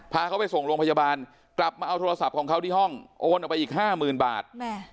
พาเขาไปส่งโรงพยาบาลกลับมาเอาโทรศัพท์ของเขาที่ห้องโอนออกไปอีกห้าหมื่นบาท